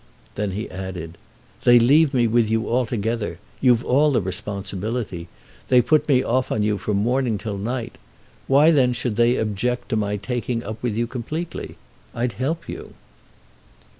Then he added: "They leave me with you altogether. You've all the responsibility. They put me off on you from morning till night. Why then should they object to my taking up with you completely? I'd help you."